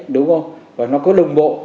đúng không và nó có đồng bộ